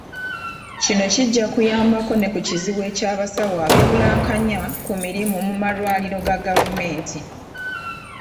Kino kijja kuyambako ne ku kizibu eky'abasawo abeebulankanya ku mirimu mu malwaliro ga gavumenti.